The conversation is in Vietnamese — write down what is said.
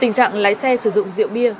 tình trạng lái xe sử dụng rượu bia